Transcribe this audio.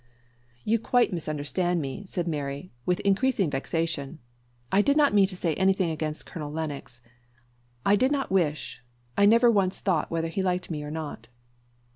"You quite misunderstand me," said Mary, with increasing vexation. "I did not mean to say anything against Colonel Lennox. I did not wish I never once thought whether he liked me or not."